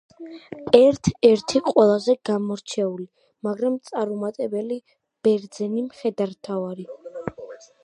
ერთ-ერთი ყველაზე გამოჩენილი, მაგრამ წარუმატებელი ბერძენი მხედართმთავარი.